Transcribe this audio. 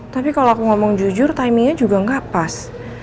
tapi kalau aku ngomong jujur timenya juga gak pas